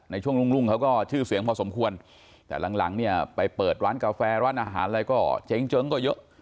ช่วงรุ่งเขาก็ชื่อเสียงพอสมควรแต่หลังหลังเนี่ยไปเปิดร้านกาแฟร้านอาหารอะไรก็เจ๊งก็เยอะ